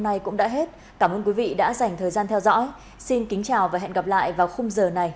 này đã hết cảm ơn quý vị đã dành thời gian theo dõi xin kính chào và hẹn gặp lại vào khung giờ này